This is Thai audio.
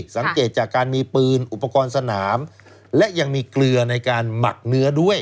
สังเกตจากการมีปืนอุปกรณ์สนามและยังมีเกลือในการหมักเนื้อด้วย